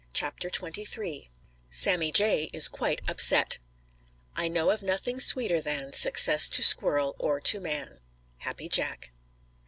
CHAPTER XXIII SAMMY JAY IS QUITE UPSET I know of nothing sweeter than Success to Squirrel or to man. _Happy Jack.